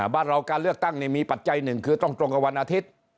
บ้านเราการเลือกตั้งมีปัจจัยหนึ่งคือต้องตรงกับวันอาทิตย์